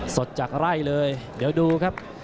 สดจากไร่เลยเดี๋ยวดูครับ